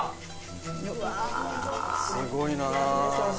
すごいな。